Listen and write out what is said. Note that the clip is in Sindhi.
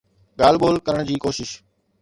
ڳالهه ٻولهه ڪرڻ جي ڪوشش.